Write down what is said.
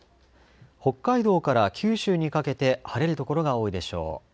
北海道から九州にかけて晴れる所が多いでしょう。